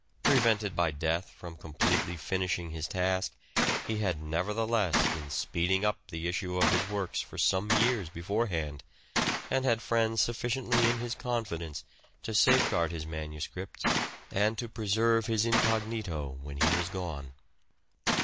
Prevented by death from completely finishing his task, he had nevertheless been speeding up the issue of his works for some years beforehand, and had friends sufficiently in his confidence to safeguard his manuscripts and to preserve his incognito when he was gone.